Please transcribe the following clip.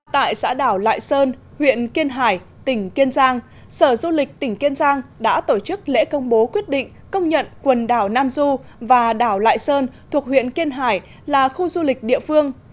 tại xã đảo lại sơn huyện kiên hải tỉnh kiên giang sở du lịch tỉnh kiên giang đã tổ chức lễ công bố quyết định công nhận quần đảo nam du và đảo lại sơn thuộc huyện kiên hải là khu du lịch địa phương